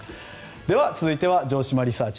続いては城島リサーチ！